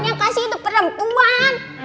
yang kasih itu perempuan